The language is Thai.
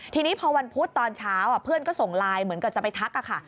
ทีนี้พอวันพุธตอนเช้าเพื่อนก็ส่งไลน์เหมือนกับจะไปทักค่ะ